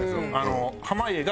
濱家が。